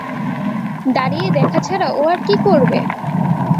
দাঁড়িয়ে দেখা ছাড়া ও আর কী করবে?